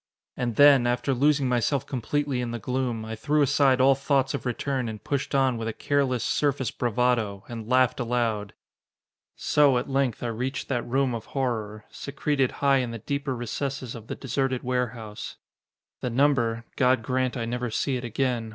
And then, after losing myself completely in the gloom, I threw aside all thoughts of return and pushed on with a careless, surface bravado, and laughed aloud. So, at length, I reached that room of horror, secreted high in the deeper recesses of the deserted warehouse. The number God grant I never see it again!